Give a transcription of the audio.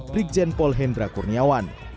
brigjen pol hendra kurniawan